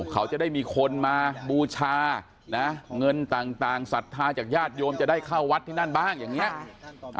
เขาจะได้มีคนมาบูชานะเงินต่างศรัทธาจากญาติโยมจะได้เข้าวัดที่นั่นบ้างอย่างนี้